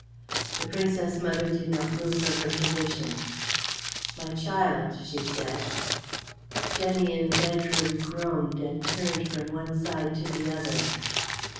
The Princess mother did not move from her position. "My child," she said. Jenny in the bedroom groaned and turned from one side to the other.